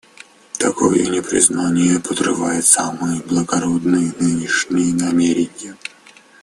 Такое непризнание подрывает самые благородные нынешние намерения.